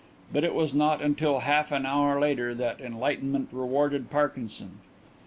But it was not until half an hour later that enlightenment rewarded Parkinson.